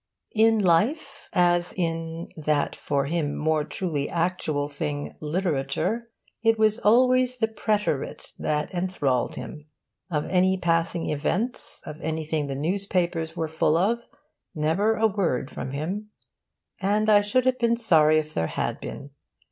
In life, as in (that for him more truly actual thing) literature, it was always the preterit that enthralled him. Of any passing events, of anything the newspapers were full of, never a word from him; and I should have been sorry if there had been.